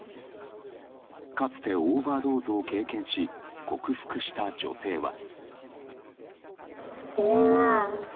かつてオーバードーズを経験し克服した女性は。